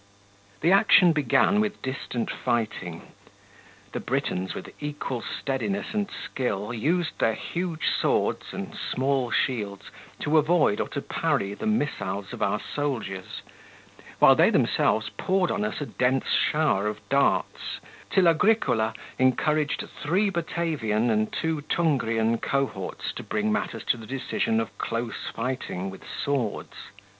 36 The action began with distant fighting. The Britons with equal steadiness and skill used their huge swords and small shields to avoid or to parry the missiles of our soldiers, while they themselves poured on us a dense shower of darts, till Agricola encouraged three Batavian and two Tungrian cohorts to bring matters to the decision of close fighting with swords.